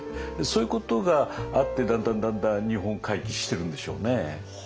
そういうことがあってだんだんだんだん日本回帰してるんでしょうね。